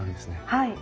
はい。